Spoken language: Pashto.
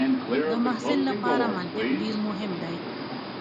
د محصل لپاره منطق ډېر مهم دی.